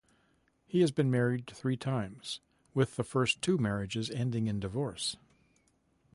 He has been married three times, with the first two marriages ending in divorce.